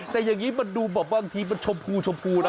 แต่อย่างนี้มันดูบางทีมันชมพูนะพี่พูด๊า